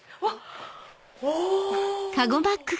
お！